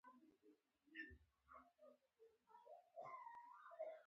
عطرونه د کار ځای لپاره مناسب دي.